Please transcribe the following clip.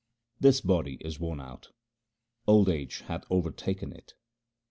This body is worn out ; old age hath overtaken it.